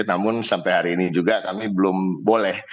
namun sampai hari ini juga kami belum boleh